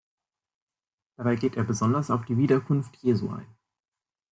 Dabei geht er besonders auf die Wiederkunft Jesu ein.